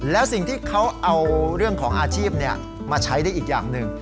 แล้วสิ่งที่เขาเอาเรื่องของอาชีพมาใช้ได้อีกอย่างหนึ่ง